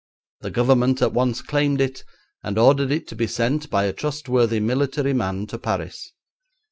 The Government at once claimed it, and ordered it to be sent by a trustworthy military man to Paris.